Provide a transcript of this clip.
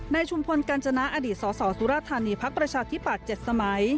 ชุมพลกัญจนาอดีตสสสุรธานีพักประชาธิปัตย์๗สมัย